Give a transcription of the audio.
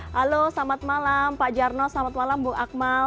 halo selamat malam pak jarno selamat malam bu akmal